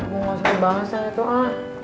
gua nggak usah bahas yang itu ah